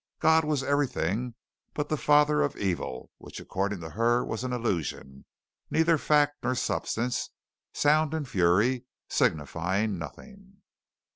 God was everything but the father of evil, which according to her was an illusion neither fact nor substance sound and fury, signifying nothing.